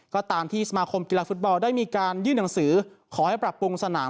ก็ตามที่สมาคมกีฬาฟุตบอลได้มีการยื่นหนังสือขอให้ปรับปรุงสนาม